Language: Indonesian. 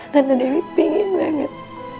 tante dewi pingin banget